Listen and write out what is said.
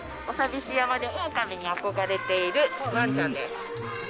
おさびし山で狼に憧れているワンちゃんです。